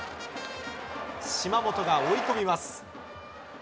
島本が追い込みます。